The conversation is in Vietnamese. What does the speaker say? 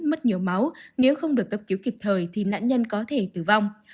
mất nhiều máu nếu không được cấp cứu kịp thời thì nạn nhân có thể tử vong